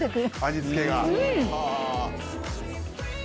味付けが？